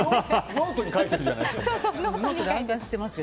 ノートに書いてるじゃないですか。